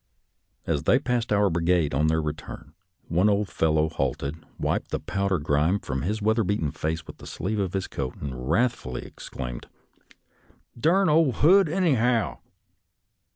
As they passed our brigade on their return, one old fel low halted, wiped the powder grime from his weather beaten face with the sleeve of his coat, and wrathfuUy exclaimed, " Durn ole Hood, anyhow!